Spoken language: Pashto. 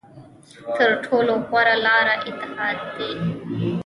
تر ټولو غوره لاره اتحاد دی.